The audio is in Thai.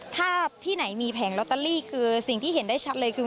ถ้าที่ไหนมีแผงลอตเตอรี่คือสิ่งที่เห็นได้ชัดเลยคือ